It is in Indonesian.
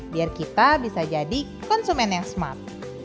biar kita bisa jadi konsumen yang smart